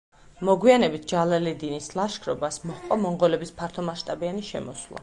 მოგვიანებით ჯალალედინის ლაშქრობას მოჰყვა მონღოლების ფართომასშტაბიანი შემოსვლა.